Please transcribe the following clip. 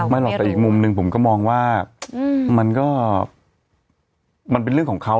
หรอกแต่อีกมุมหนึ่งผมก็มองว่ามันก็มันเป็นเรื่องของเขา